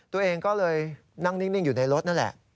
ตัวเองก็เลยนั่งนิ่งอยู่ในรถนั่นแหละ